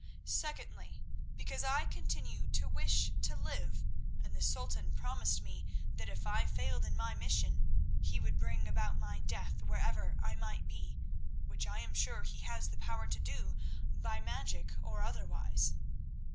Secondly, because I continue to wish to live, and the Sultan promised me that if I failed in my mission, he would bring about my death wherever I might be, which I am sure he has the power to do by magic or otherwise.